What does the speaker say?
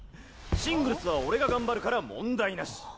シングルスは俺が頑張るから問題なし。